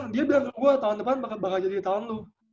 dia bilang gue tahun depan bakal jadi tahun loh